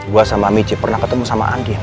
gue sama michi pernah ketemu sama andin